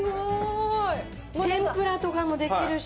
天ぷらとかもできるし。